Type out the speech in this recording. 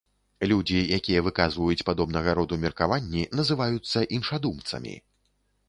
Людзі, якія выказваюць падобнага роду меркаванні, называюцца іншадумцамі.